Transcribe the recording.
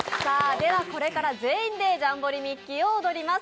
ではこれから全員でジャンボリミッキー！を踊ります。